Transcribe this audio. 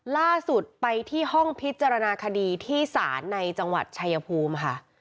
ล่าสุดไปที่ห้องพิจารณาคดีที่ศาลในจังหวัดชายภูมิค่ะ